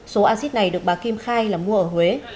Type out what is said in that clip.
số acid này được bà kim khai là mua ở huế